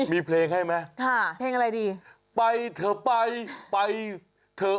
มีเพลงให้แม่